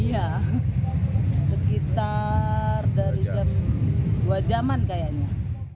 iya sekitar dari jam dua jaman kayaknya